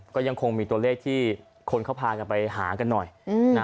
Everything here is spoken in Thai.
ก็ยังคงมีตัวเลขที่คนเขาพากันไปหากันหน่อยนะ